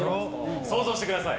想像してください。